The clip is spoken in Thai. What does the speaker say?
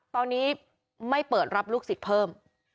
ตอนนี้ไม่เปิดรับลูกศิษย์เพิ่ม